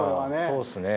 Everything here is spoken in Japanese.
そうっすね。